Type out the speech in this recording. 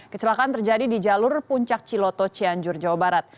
kecelakaan terjadi di jalur puncak ciloto cianjur jawa barat